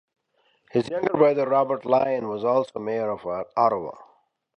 His younger brother, Robert Lyon was also mayor of Ottawa.